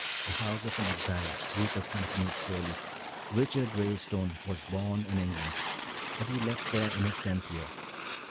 "The house of an exile," Rupert continued slowly. "Richard Ralestone was born in England, but he left there in his tenth year.